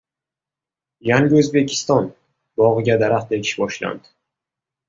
“Yangi O‘zbekiston” bog‘iga daraxt ekish boshlandi